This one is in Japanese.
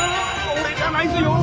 俺じゃないっすよ。